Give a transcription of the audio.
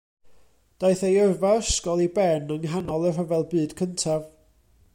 Daeth ei yrfa ysgol i ben yng nghanol y Rhyfel Byd Cyntaf.